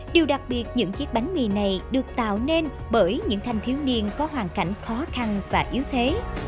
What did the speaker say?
điều đặc biệt những chiếc bánh mì này được tạo nên bởi những thanh thiếu niên có hoàn cảnh khó khăn và yếu thế